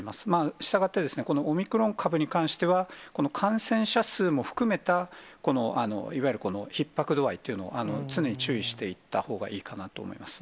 したがって、このオミクロン株に関しては、感染者数も含めた、このいわゆるひっ迫度合いっていうのを常に注意していったほうがいいかなと思います。